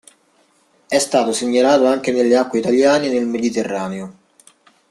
È stato segnalato anche nelle acque italiane e nel Mediterraneo.